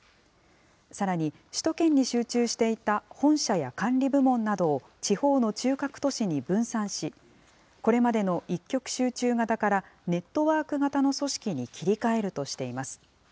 さらに、首都圏に集中していた本社や管理部門などを、地方の中核都市に分散し、これまでの一極集中型からネットワーク型の組織に切り替えるとしています。